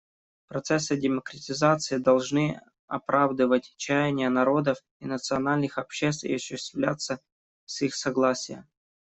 Процессы демократизации должны оправдывать чаяния народов и национальных обществ и осуществляться с их согласия.